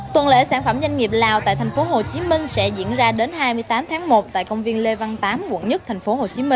tuần lễ sản phẩm doanh nghiệp lào tại tp hcm sẽ diễn ra đến hai mươi tám tháng một tại công viên lê văn tám quận một tp hcm